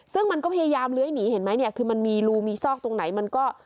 ซึ่งมันก็พยายามเลื้อยหนีเห็นไหมเนี่ยคือมันมีรูมีซอกตรงไหนมันก็